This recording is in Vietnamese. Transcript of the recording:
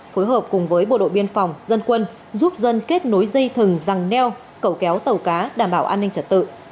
phối hợp cùng với bộ đội biên phòng dân quân giúp dân kết nối dây thừng răng neo cẩu kéo tàu cá đảm bảo an ninh trật tự